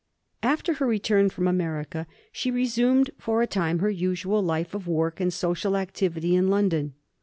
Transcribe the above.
After her return from America she resumed for a time her usual life of work and social activity in London.